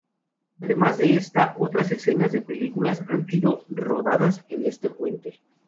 Además de esta, otras escenas de películas han sido rodadas en este puente.